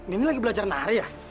ini lagi belajar nari ya